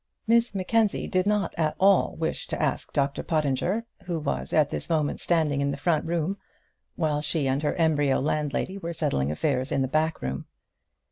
Miss Mackenzie did not at all wish to ask Dr Pottinger, who was at this moment standing in the front room, while she and her embryo landlady were settling affairs in the back room.